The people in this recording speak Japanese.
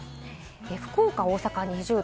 福岡、大阪は２０度。